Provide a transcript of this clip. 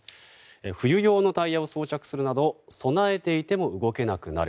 冬用のタイヤを装着するなど備えていても動けなくなる。